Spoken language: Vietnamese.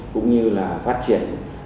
cũng như là phát triển